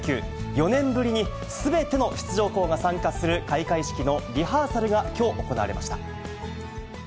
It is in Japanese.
４年ぶりにすべての出場校が参加する開会式のリハーサルがきょう、行われました。